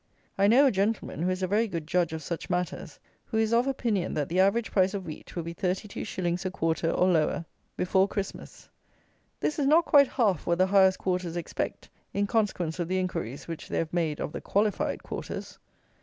I know a gentleman, who is a very good judge of such matters, who is of opinion that the average price of wheat will be thirty two shillings a quarter, or lower, before Christmas; this is not quite half what the highest quarters expect, in consequence of the inquiries which they have made of the qualified quarters.